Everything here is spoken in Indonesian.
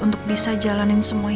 untuk bisa jalanin semua ini